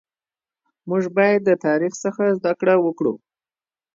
مونږ بايد د تاريخ زده کړه وکړو